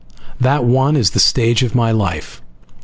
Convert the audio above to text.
That one is the stage of my life.